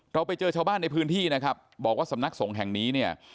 ไปเจอชาวบ้านในพื้นที่นะครับบอกว่าสำนักสงฆ์แห่งนี้เนี่ย